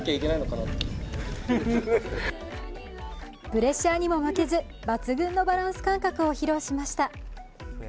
プレッシャーにも負けず抜群のバランス感覚を披露しました。